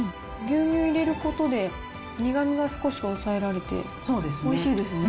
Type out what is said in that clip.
牛乳入れることで、苦みが少し抑えられて、おいしいですね。